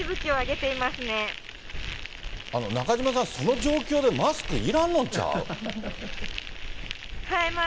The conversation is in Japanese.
中島さん、その状況でマスクいらんのちゃう？